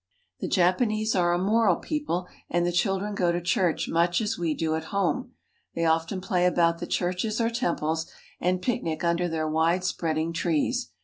RELIGIONS 75 The Japanese are a moral people, and the children go to church much as we do at home. They often play about the churches or temples, and picnic under their widespread ing trees.